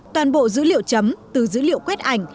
toàn bộ dữ liệu chấm từ dữ liệu quét ảnh